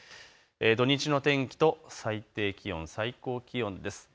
土日の天気と最低気温、最高気温です。